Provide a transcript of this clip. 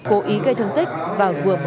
cố ý gây thương tích và vừa mới ra tù